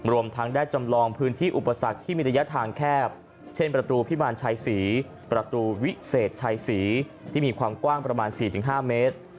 รวมทั้งได้จำลองพื้นที่อุปสรรคที่มีระยะทางแคบเช่นประตูพิมารชัยศรีประตูวิเศษชัยศรีที่มีความกว้างประมาณ๔๕เมตร